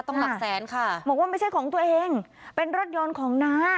หลักแสนค่ะบอกว่าไม่ใช่ของตัวเองเป็นรถยนต์ของน้า